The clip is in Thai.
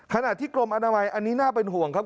ขณะที่กรมอนามัยอันนี้น่าเป็นห่วงครับ